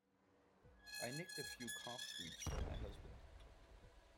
I nicked a few cough sweets from my husband.